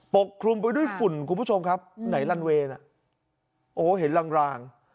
กคลุมไปด้วยฝุ่นคุณผู้ชมครับไหนลันเวย์โอ้โหเห็นลาง